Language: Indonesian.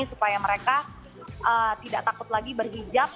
supaya mereka tidak takut lagi berhijab